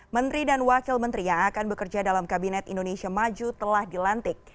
menteri dan wakil menteri yang akan bekerja dalam kabinet indonesia maju telah dilantik